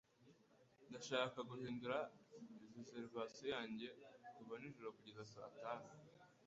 Ndashaka guhindura reservation yanjye kuva nijoro kugeza saa tanu